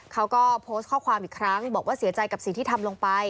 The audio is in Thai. เขาก็โพสต์ข้อความอีกครั้งบอกว่าเสียใจกับสิ่งที่ทำลงไป